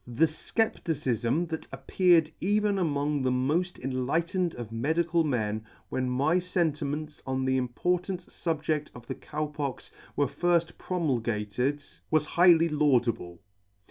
The fcepticifm that appeared even among the mod enlightened of medical men, when my fentiments on the important fubje£t of the Cow Pox were fird promulgated, was highly laudable.